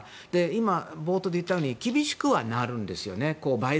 今、冒頭で言ったように厳しくはなるんですよね。